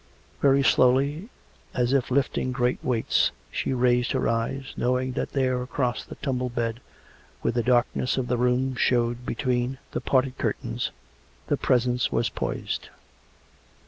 ... Very slowly, as if lifting great weights, she raised her eyes, knowing that there, across the tumbled bed, where the darkness of the room showed between the parted cur tains, the Presence was poised.